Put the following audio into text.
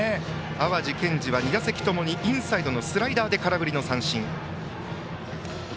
淡路建司は２打席ともにインサイドのスライダーで空振り三振。